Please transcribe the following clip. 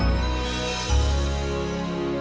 terima kasih pa